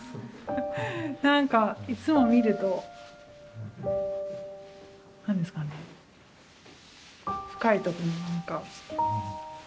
なんかいつも見ると何ですかね深いところになんか。